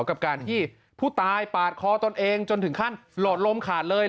กับการที่ผู้ตายปาดคอตนเองจนถึงขั้นหลอดลมขาดเลย